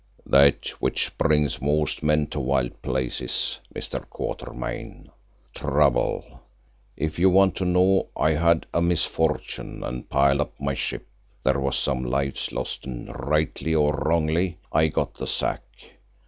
"That which brings most men to wild places, Mr. Quatermain—trouble. If you want to know, I had a misfortune and piled up my ship. There were some lives lost and, rightly or wrongly, I got the sack.